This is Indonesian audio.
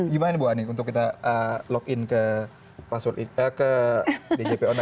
gimana bu hadi untuk kita login ke dgpo